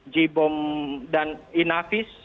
jibom dan inavis